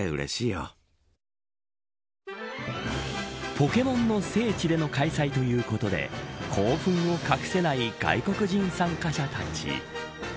ポケモンの聖地での開催ということで興奮を隠せない外国人参加者たち。